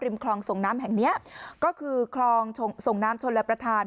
คลองส่งน้ำแห่งนี้ก็คือคลองส่งน้ำชนรับประทาน